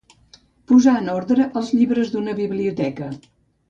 Posar en ordre els llibres d'una biblioteca.